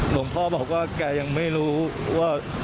หลวงพ่อบอกว่าแกยังไม่รู้ว่า